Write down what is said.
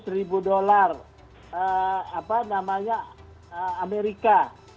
dua ratus ribu dolar amerika